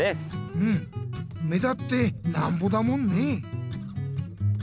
うん目立ってなんぼだもんね！